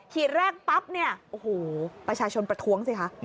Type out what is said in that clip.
แรกปั๊บเนี่ยโอ้โหประชาชนประท้วงสิคะ